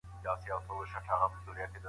آیا په اصفهان کې به د خوراک مواد پیدا شي؟